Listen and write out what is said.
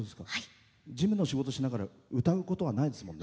事務の仕事しながら歌うことはないですもんね。